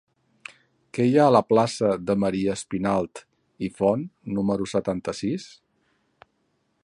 Què hi ha a la plaça de Maria Espinalt i Font número setanta-sis?